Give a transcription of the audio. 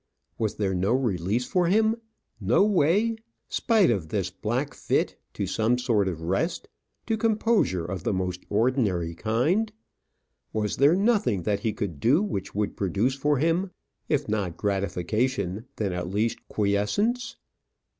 was there no release for him? no way, spite of this black fit, to some sort of rest to composure of the most ordinary kind? Was there nothing that he could do which would produce for him, if not gratification, then at least quiescence?